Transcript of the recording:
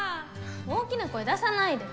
大きな声出さないで。